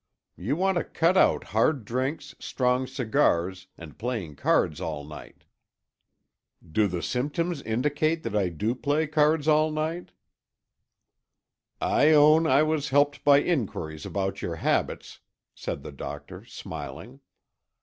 You want to cut out hard drinks, strong cigars, and playing cards all night." "Do the symptoms indicate that I do play cards all night?" "I own I was helped by inquiries about your habits," said the doctor, smiling.